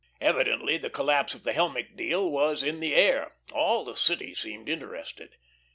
Evidently the collapse of the Helmick deal was in the air. All the city seemed interested.